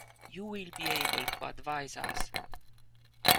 You will be able to advise us.